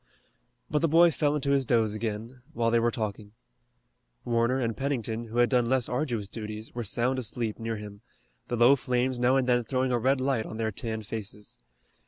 But the boy fell into his doze again, while they were talking. Warner and Pennington, who had done less arduous duties, were sound asleep near him, the low flames now and then throwing a red light on their tanned faces.